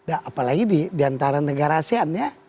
apalagi di antara negara asean ya